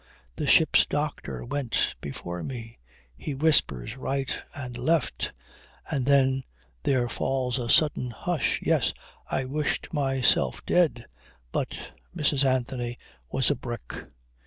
The ship's doctor went before me. He whispers right and left and then there falls a sudden hush. Yes, I wished myself dead. But Mrs. Anthony was a brick.